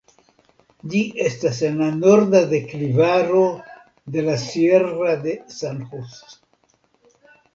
Ĝi estas en la norda deklivaro de la Sierra de San Just.